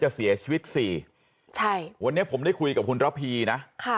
เสียชีวิตสี่ใช่วันนี้ผมได้คุยกับคุณระพีนะค่ะ